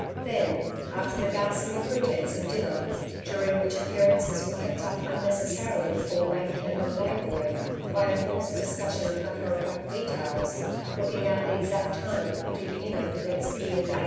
Then, after the ghastly pretence of dinner during which appearances were kept up unnecessarily before Maggie and the Malay boy, by a forced discussion of matter of fact details looking out the exact time of the putting in of the next E. and A.